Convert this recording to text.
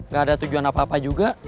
gak ada tujuan apa apa juga